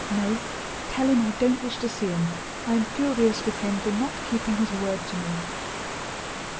"No, tell him I don't wish to see him, I am furious with him for not keeping his word to me."